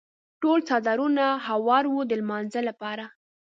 ټولو څادرونه هوار وو د لمانځه لپاره.